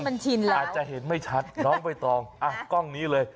คุณผู้ชมค่ะอาจจะเห็นไม่ชัดน้องไปตอมเอากล้องนี้เลย